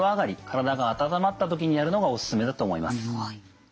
体が温まった時にやるのがお勧めだと思います。